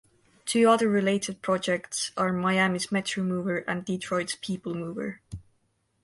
Two other related projects are Miami's Metromover and Detroit's People Mover.